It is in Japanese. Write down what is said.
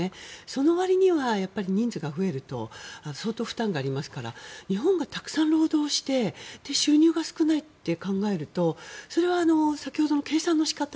そのわりには人数が増えると相当負担がありますから日本がたくさん労働して収入が少ないって考えるとそれは先ほどの計算の仕方